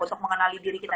untuk mengenali diri kita